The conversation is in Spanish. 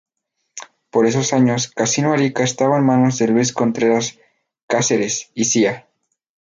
Por esos años, Casino Arica estaba en manos de Luis Contreras Cáceres y Cía.